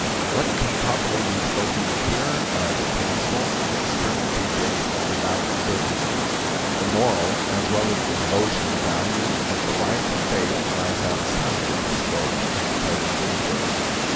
What can properly be spoken of here are the tangible, external features of devout observances. The moral, as well as the devotional value of the life of faith lies outside of the scope of the present inquiry.